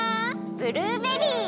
ブルーベリー！